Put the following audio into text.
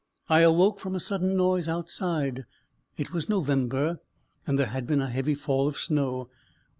I awoke from a sudden noise outside. It was November, and there had been a heavy fall of snow.